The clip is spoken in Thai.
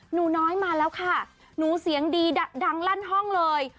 หนูน้อยมาแล้วค่ะหนูเสียงดีดังลั่นห้องเลย